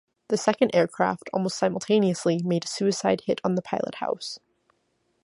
The second aircraft, almost simultaneously, made a suicide hit on the pilothouse.